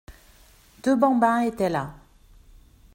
Deux bambins étaient là.